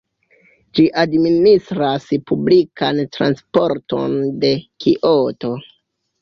Ĝi administras publikan transporton de Kioto.